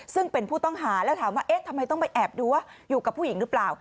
ซึ่งเป็นผู้ต้องหาแล้วถามว่าเอ๊ะทำไมต้องไปแอบดูว่าอยู่กับผู้หญิงหรือเปล่า